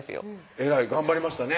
えらい頑張りましたね